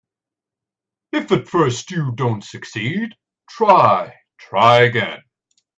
If at first you don't succeed, try, try again.